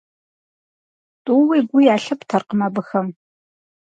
ТӀууи гу ялъыптэркъым абыхэм.